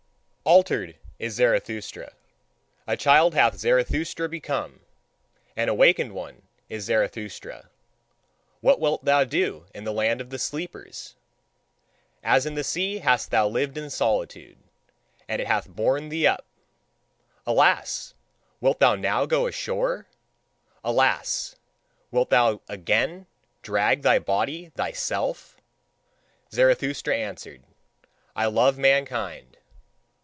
Altered is Zarathustra; a child hath Zarathustra become; an awakened one is Zarathustra: what wilt thou do in the land of the sleepers? As in the sea hast thou lived in solitude, and it hath borne thee up. Alas, wilt thou now go ashore? Alas, wilt thou again drag thy body thyself?" Zarathustra answered: "I love mankind."